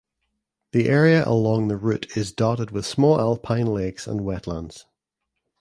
The area along the route is dotted with small alpine lakes and wetlands.